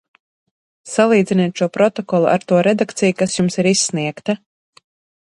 Salīdziniet šo protokolu ar to redakciju, kas jums ir izsniegta.